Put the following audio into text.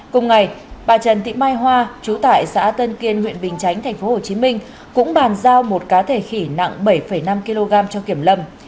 cùng ngày bà trần thị mai hoa chú tại xã tân kiên huyện bình chánh tp hcm cũng bàn giao một cá thể khỉ nặng bảy năm kg cho kiểm lâm